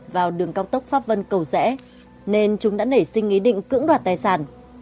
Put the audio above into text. vào đường cao tốc pháp vân cầu dễ nên chúng đã nể sinh ý định cưỡng đoạt tài sản